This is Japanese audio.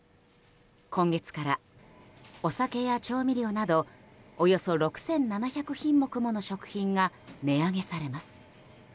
今月から、お酒や調味料などおよそ６７００品目もの食品が値上げされます。